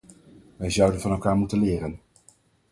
Wij zouden van elkaar moeten leren.